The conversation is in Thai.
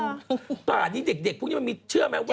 ป่านี้เด็กพวกนี้มันมีเชื่อไหมว่า